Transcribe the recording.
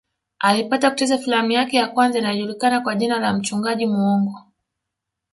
Alipata kucheza filamu yake ya kwanza iliyojulikana kwa jina la mchungaji muongo